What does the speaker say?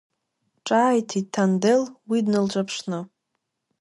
Ҿааиҭит Ҭандел уи днылҿаԥшны.